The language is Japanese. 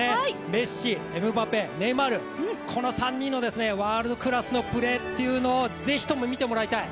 メッシ、エムバペ、ネイマール、この３人のワールドクラスのプレーってものをぜひとも見てもらいたい。